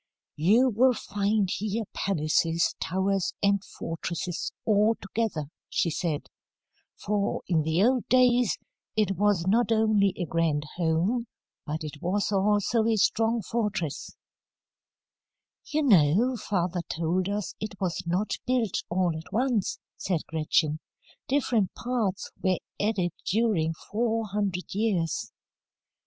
'You will find here palaces, towers, and fortresses, all together,' she said. 'For, in the old days, it was not only a grand home, but it was also a strong fortress.'" [Illustration: COURTYARD OF HEIDELBERG CASTLE.] "You know father told us it was not built all at once," said Gretchen. "Different parts were added during four hundred years."